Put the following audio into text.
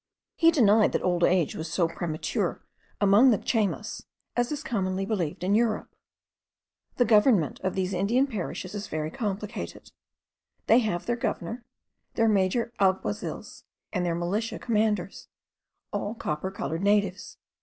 He denied that old age was so premature among the Chaymas, as is commonly believed in Europe. The government of these Indian parishes is very complicated; they have their governor, their major alguazils, and their militia commanders, all copper coloured natives.